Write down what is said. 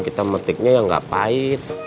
kita metiknya yang gak pahit